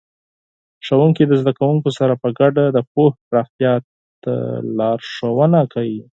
ښوونکي د زده کوونکو سره په ګډه د پوهې پراختیا ته لارښوونه کوي.